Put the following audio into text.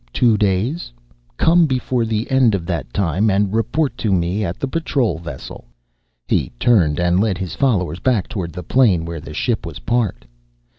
Two dayss?... Come before the end of that time and rreporrt to me at the patrrol vessel." He turned and led his followers back toward the plain where the ship was parked.